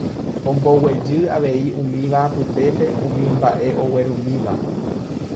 omboguejy avei umíva apytépe umi mba'e oguerumíva.